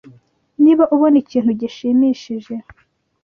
Niba ubona ikintu gishimishije,